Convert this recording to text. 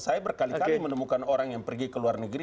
saya berkali kali menemukan orang yang pergi ke luar negeri